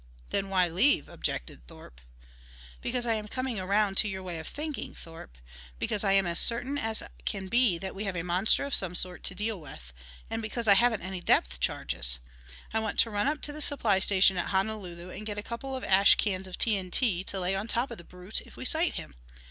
"Then why leave?" objected Thorpe. "Because I am coming around to your way of thinking, Thorpe. Because I am as certain as can be that we have a monster of some sort to deal with ... and because I haven't any depth charges. I want to run up to the supply station at Honolulu and get a couple of ash cans of TNT to lay on top of the brute if we sight him."